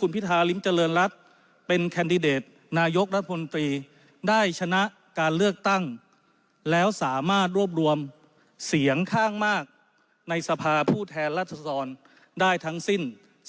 คุณพิธาริมเจริญรัฐเป็นแคนดิเดตนายกรัฐมนตรีได้ชนะการเลือกตั้งแล้วสามารถรวบรวมเสียงข้างมากในสภาผู้แทนรัศดรได้ทั้งสิ้น